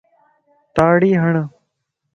تاڙي ھڙ